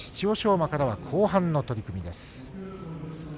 馬からは後半の取組です。